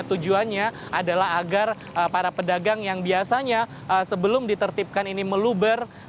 tujuannya adalah agar para pedagang yang biasanya sebelum ditertibkan ini meluber